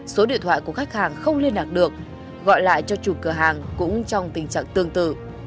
số điện thoại của khách hàng không liên lạc được gọi lại cho chủ cửa hàng cũng trong tình trạng tương tự